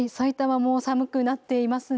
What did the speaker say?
もう寒くなっていますね。